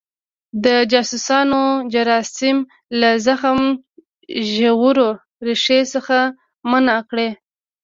د جاسوسانو جراثیم له زخم ژورو ریښو څخه منع کړي.